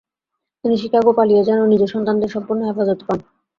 তিনি শিকাগো পালিয়ে যান ও নিজের সন্তানদের সম্পূর্ণ হেফাজত পান।